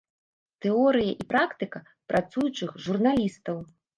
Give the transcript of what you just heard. Тэорыя і практыка працуючых журналістаў.